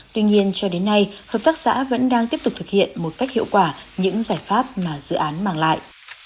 tuy nhiên cho đến nay hợp tác xã vẫn đang tiếp tục thực hiện một cách hiệu quả những giải pháp mà dự án mang lại